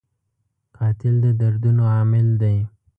قاتل د دردونو عامل دی